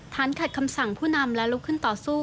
ขัดคำสั่งผู้นำและลุกขึ้นต่อสู้